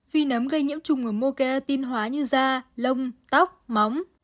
vi nấm gây nhiễm trùng ở mô keratin hóa như da lông tóc móng